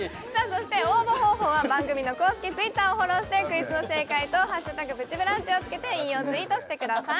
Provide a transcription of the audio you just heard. そして応募方法は番組の公式Ｔｗｉｔｔｅｒをフォローしてクイズの正解と＃プチブランチをつけて引用ツイートしてください